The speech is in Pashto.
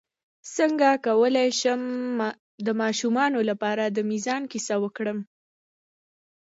څنګه کولی شم د ماشومانو لپاره د میزان کیسه وکړم